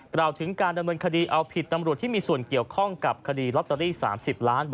กล่าวถึงการดำเนินคดีเอาผิดตำรวจที่มีส่วนเกี่ยวข้องกับคดีลอตเตอรี่๓๐ล้าน